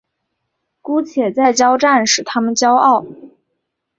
姑且再交战使他们骄傲。